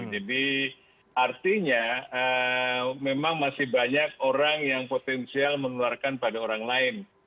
jadi artinya memang masih banyak orang yang potensial menularkan pada orang lain